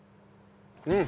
うん